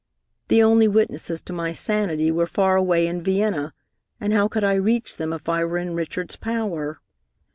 The only witnesses to my sanity were far away in Vienna, and how could I reach them if I were in Richard's power?